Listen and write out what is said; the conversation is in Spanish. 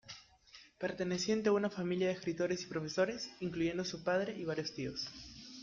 Perteneciente a una familia de escritores y profesores, incluyendo su padre y varios tíos.